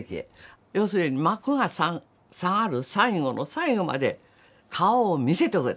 要するに「幕が下がる最後の最後まで顔を見せておけ！」